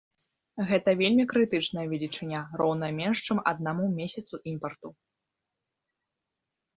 Гэта вельмі крытычная велічыня, роўная менш чым аднаму месяцу імпарту.